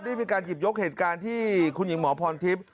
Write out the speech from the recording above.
ได้มีการหยิบยกเหตุการณ์ที่คุณหญิงหมอพรทิพย์